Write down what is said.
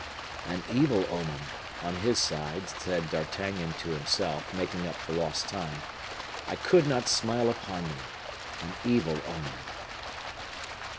"An evil omen!" on his side, said D'Artagnan to himself, making up for lost time. "I could not smile upon them. An evil omen!"